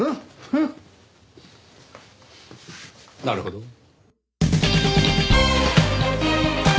なるほど。